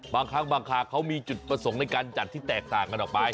บางครั้งบางคาเขามีจุดประสงค์ในการจัดที่แตกต่างกันออกไป